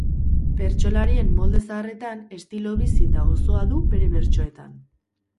Bertsolarien molde zaharretan, estilo bizi eta gozoa du bere bertsoetan.